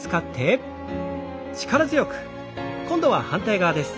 今度は反対側です。